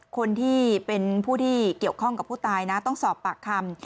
คนที่เป็นผู้ที่เกี่ยวข้องกับผู้ตายนะต้องสอบปากคำ